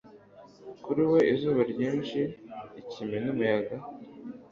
kuri we izuba ryinshi, ikime n'umuyaga